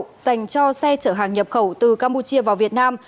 dành cho xe chở hàng nhập khẩu từ campuchia vào việt nam